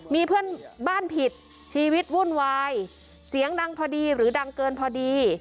มีเพื่อนบ้านผิดชีวิตวุ่นวายเสียงดังพอดีหรือดังเกินพอดี